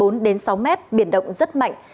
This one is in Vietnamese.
sóng biển cao từ bốn đến sáu mét biển động rất mạnh